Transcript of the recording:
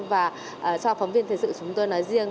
và cho phóng viên thời sự chúng tôi nói riêng